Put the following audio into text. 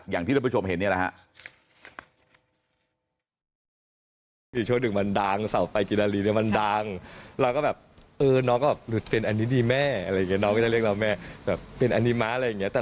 อย่างที่ท่านผู้ชมเห็นนี่แหละฮะ